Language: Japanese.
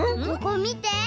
ここみて。